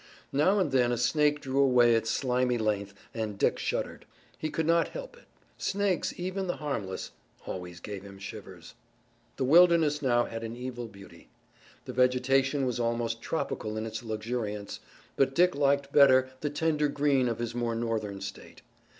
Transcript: Now and then a snake drew away its slimy length and Dick shuddered. He could not help it. Snakes, even the harmless, always gave him shivers. The wilderness now had an evil beauty. The vegetation was almost tropical in its luxuriance, but Dick liked better the tender green of his more northern state.